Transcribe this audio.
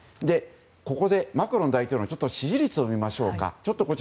ここでマクロン大統領の支持率を見ましょうか。